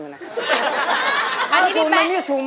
แต่นี่พี่แป๊ตอำหนูแล้วหรอ